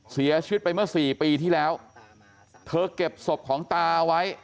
เสียชีวิตไปเมื่อสี่ปีที่แล้วเธอเก็บศพของตาไว้